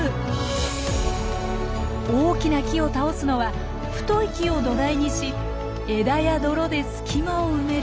大きな木を倒すのは太い木を土台にし枝や泥で隙間を埋める